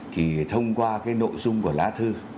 thì thông qua cái nội dung của lá thư